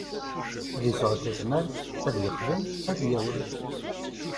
Ad yesɛu tazmert, ad yexdem, ad d-yawi.